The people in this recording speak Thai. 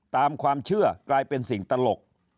ตามความเชื่อกลายเป็นสิ่งตลก